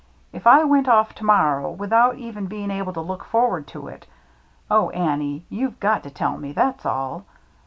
If I went off to morrow without even being able to look for ward to it — Oh, Annie, you've got to tell me, that's all.